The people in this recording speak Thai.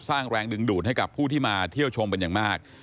สร้างแรงดึงดูดให้กับผู้ที่มาเที่ยวชมเป็นอย่างมาก